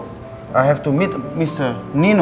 saya harus bertemu mr nino